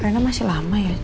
reina masih lama ya